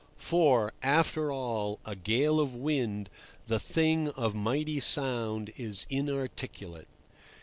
For, after all, a gale of wind, the thing of mighty sound, is inarticulate.